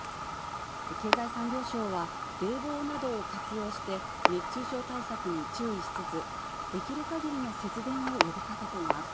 経済産業省は、冷房などを活用して、熱中症対策に注意しつつ、できるかぎりの節電を呼びかけています。